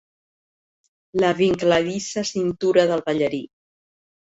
La vincladissa cintura del ballarí.